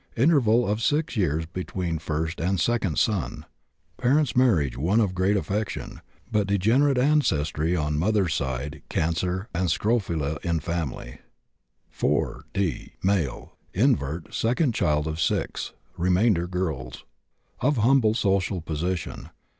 Interval of six years between first and second son. Parents' marriage one of great affection, but degenerate ancestry on mother's side. Cancer and scrofula in family. 4. D., male, invert, second child of 6; remainder girls. Of humble social position.